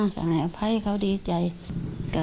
ก็อภัยไหมคะ